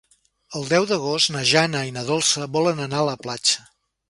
El deu d'agost na Jana i na Dolça volen anar a la platja.